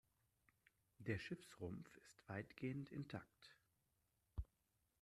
Der Schiffsrumpf ist weitgehend intakt.